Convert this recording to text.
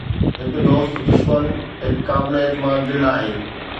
هڪ دوست دشمن هڪ قابل اعتماد دل آهي